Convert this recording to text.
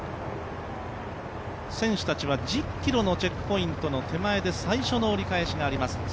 選手たちは１０ｋｍのチェックポイントの手前で最初の折り返しがあります。